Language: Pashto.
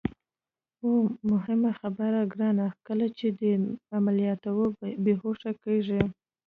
او مهمه خبره ګرانه، کله چې دې عملیاتوي، بېهوښه کېږي.